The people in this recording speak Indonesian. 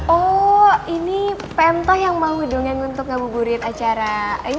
oh ini pemtoh yang mau dongeng untuk ngabuburit acara ini ya pesantren kunanta